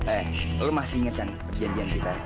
eh lo masih inget kan perjanjian kita